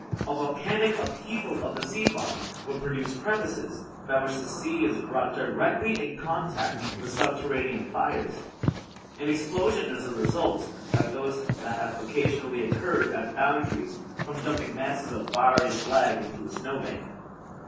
A volcanic upheaval of the sea bottom would produce crevices, by which the sea is brought directly in contact with subterranean fires. An explosion is the result, like those that have occasionally occurred at foundries from dumping masses of fiery slag into a snowbank.